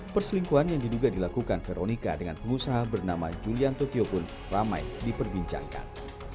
perselingkuhan yang diduga dilakukan veronica dengan pengusaha bernama julian totyo pun ramai diperbincangkan